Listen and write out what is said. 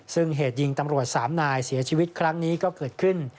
ซึ่งเหตุยิงตำรวจสามนายเสียชีวิตครั้งนี้ก็เกิดขึ้น